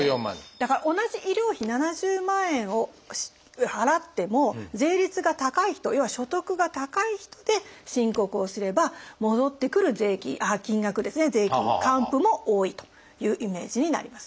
だから同じ医療費７０万円を払っても税率が高い人要は所得が高い人で申告をすれば戻ってくる金額ですね還付も多いというイメージになります。